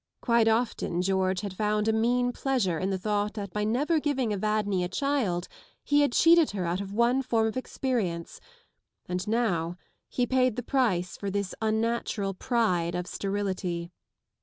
Quite often George had found a mean pleasure in the thought that by never giving Evadne a child he had cheated her out of one form of experience, end now he paid the price for this unnatural pride of 109 sterility.